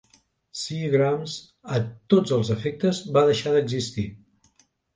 Seagram's, a tots els efectes, va deixar d'existir.